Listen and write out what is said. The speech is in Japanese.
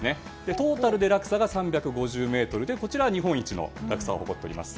トータルで落差が３５０ｍでこちらは日本一の落差を誇っております。